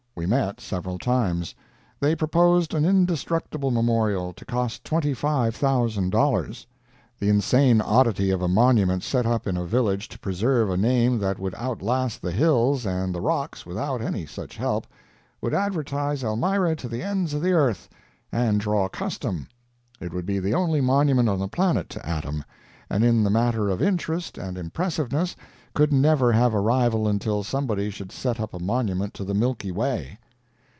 We met several times. They proposed an indestructible memorial, to cost twenty five thousand dollars. The insane oddity of a monument set up in a village to preserve a name that would outlast the hills and the rocks without any such help, would advertise Elmira to the ends of the earth and draw custom. It would be the only monument on the planet to Adam, and in the matter of interest and impressiveness could never have a rival until somebody should set up a monument to the Milky Way.